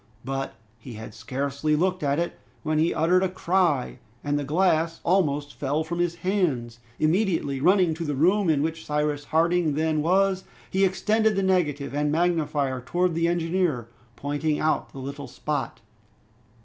But he had scarcely looked at it, when he uttered a cry, and the glass almost fell from his hands. Immediately running to the room in which Cyrus Harding then was, he extended the negative and magnifier towards the engineer, pointing out the little spot.